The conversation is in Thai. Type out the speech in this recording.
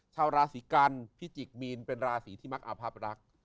ชาวราศรีกัณฑ์พิจิกมีนเป็นราศรีที่มักอภับรักษณ์